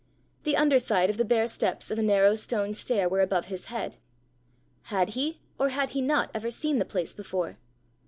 The under side of the bare steps of a narrow stone stair were above his head. Had he or had he not ever seen the place before?